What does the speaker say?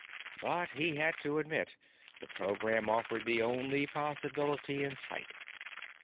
But, he had to admit, the program offered the only possibility in sight.